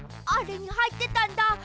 あれにはいってたんだ。